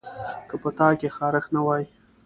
که په تا کې خارښت نه وای